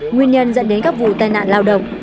nguyên nhân dẫn đến các vụ tai nạn lao động